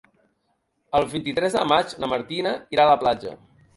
El vint-i-tres de maig na Martina irà a la platja.